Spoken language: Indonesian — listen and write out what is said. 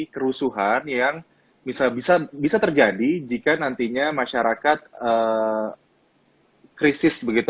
kerusuhan yang bisa terjadi jika nantinya masyarakat krisis begitu